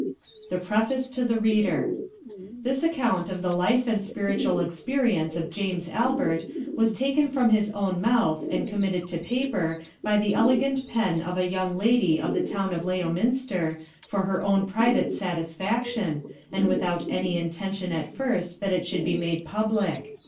THE PREFACE to the READER. This Account of the Life and spiritual Experience of James Albert was taken from his own Mouth and committed to Paper by the elegant Pen of a young Lady of the Town of Leominster, for her own private Satisfaction, and without any Intention at first that it should be made public.